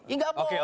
ini nggak boleh